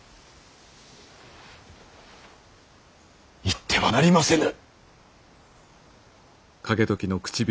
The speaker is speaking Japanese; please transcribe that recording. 行ってはなりませぬ！